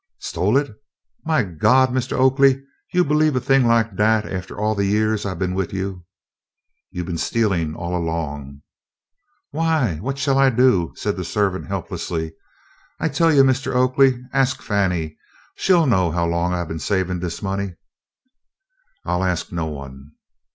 "Stole it! My Gawd, Mistah Oakley, you believed a thing lak dat aftah all de yeahs I been wid you?" "You 've been stealing all along." "Why, what shell I do?" said the servant helplessly. "I tell you, Mistah Oakley, ask Fannie. She 'll know how long I been a savin' dis money." "I 'll ask no one."